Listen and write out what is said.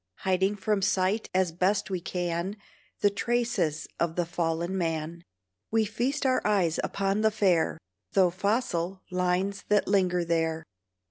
Hiding from sight as best we can The traces of the fallen man, We feast our eyes upon the fair, Though fossil, lines that linger there.